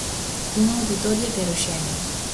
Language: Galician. Un auditorio heteroxéneo.